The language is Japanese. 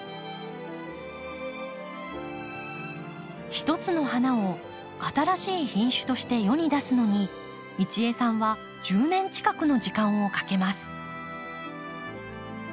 一つの花を新しい品種として世に出すのに一江さんは１０年近くの時間をかけます。